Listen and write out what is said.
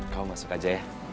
kamu masuk aja ya